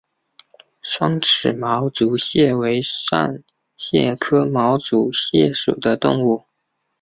双齿毛足蟹为扇蟹科毛足蟹属的动物。